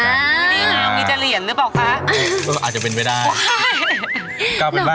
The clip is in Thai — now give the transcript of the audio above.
หน่อยเหมือนมีเตะเหรียญหรือเปล่าคะ